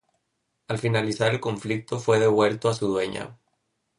Al finalizar el conflicto fue devuelto a su dueña.